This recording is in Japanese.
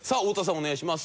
お願いします。